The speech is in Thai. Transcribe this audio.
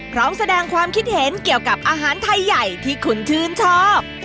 พร้อมแสดงความคิดเห็นเกี่ยวกับอาหารไทยใหญ่ที่คุณชื่นชอบ